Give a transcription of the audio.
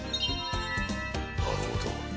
なるほど。